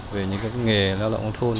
về những nghề lao động nông thôn